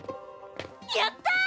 やった！！